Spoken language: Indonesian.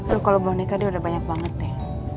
tuh kalau boneka dia udah banyak banget deh